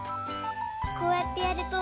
こうやってやると。